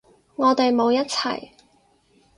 我哋冇一齊